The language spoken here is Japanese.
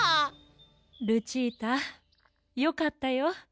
ルチータよかったよ。